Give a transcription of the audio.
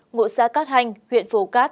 ngụ xa cát hành huyện phù cát